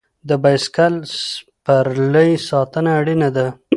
د بایسکل سپرلۍ ساتنه اړینه ده.